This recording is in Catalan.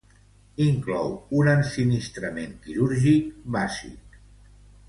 Inclou un ensinistrament quirúrgic bàsic.